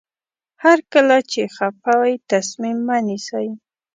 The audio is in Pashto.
هر کله چې خفه وئ تصمیم مه نیسئ.